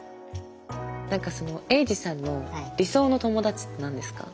何かそのエイジさんの理想の友達って何ですか？